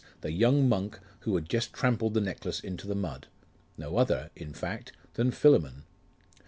the young monk who had just trampled the necklace into the mud...no other, in fact, than Philammon.